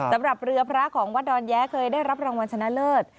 สำหรับเรือพระของวัดดอนแย้เคยได้รับรางวัลชนะเลิศ